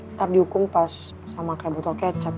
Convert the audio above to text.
ntar dihukum pas sama kayak botol kecap